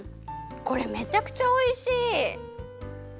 これめちゃくちゃおいしい！